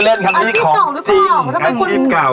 เล่นขายของเลยตรงนี้คะ